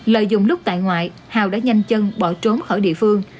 lợi dụng lúc tại ngoại hào đã nhanh chân bỏ trốn khỏi địa phương